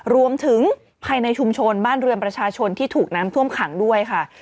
รวมถึงภายในชุมชนบ้านเรือนประชาชนที่ถูกน้ำท่วมขังด้วยค่ะ